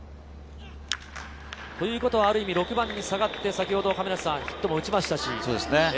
ある意味、６番に下がって先ほどヒットも打ちましたし。